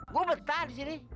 gue betah disini